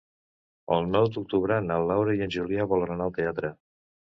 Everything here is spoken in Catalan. El nou d'octubre na Laura i en Julià volen anar al teatre.